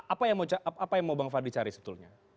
apa yang mau bang fadli cari sebetulnya